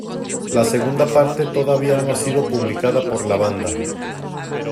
La segunda parte todavía no ha sido publicada por la banda.